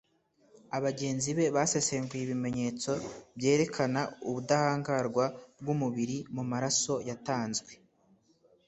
Abagenzi be basesenguye ibimenyetso byerekana ubudahangarwa bw'umubiri mu maraso yatanzwe